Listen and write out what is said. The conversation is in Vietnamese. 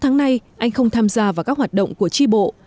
anh không tham gia vào các hoạt động của trì bộ